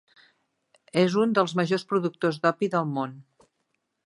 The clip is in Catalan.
És un dels majors productors d'opi del món.